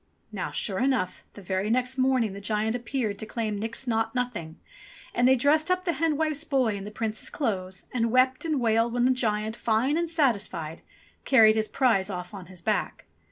Now sure enough the very next morning the giant appeared to claim Nix Naught Nothing, and they dressed up the hen wife's boy in the Prince's clothes and wept and wailed when the giant, fine and satisfied, carried his prize off on his back.